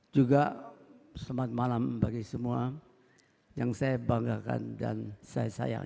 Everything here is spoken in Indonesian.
juga selamat malam bagi semua yang saya banggakan dan saya sayangkan